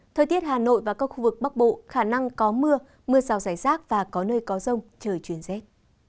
thời tiết hà nội và các khu vực bắc bộ khả năng có mưa mưa rào rải rác và có nơi có rông trời chuyển rét